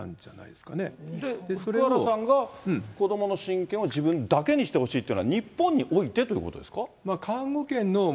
で、福原さんが子どもの親権を自分だけにしてほしいというのは、日本においてということですか？